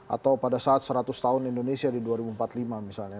atau pada saat seratus tahun indonesia di dua ribu empat puluh lima misalnya